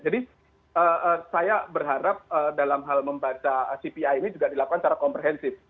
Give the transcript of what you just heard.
jadi saya berharap dalam hal membaca cpi ini juga dilakukan secara komprehensif